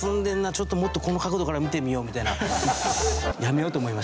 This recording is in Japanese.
ちょっともっとこの角度から見てみようみたいな。